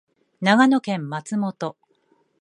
長野県松本